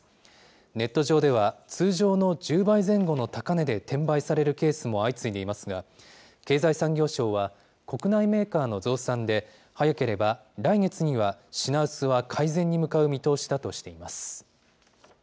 ネット上では通常の１０倍前後の高値で転売されるケースも相次いでいますが、経済産業省は、国内メーカーの増産で、早ければ来月には品薄は改善に向かう見通しだとしています。